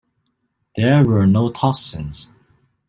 There were no toxins.